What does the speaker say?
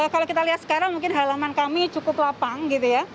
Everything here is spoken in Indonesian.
kalau kita lihat sekarang mungkin halaman kami cukup lapang gitu ya